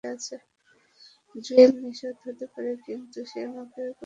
জুয়েল নির্বোধ হতে পারে, কিন্তু সে আমাকে কোনকিছু উপভোগ করতে শিখিয়েছে।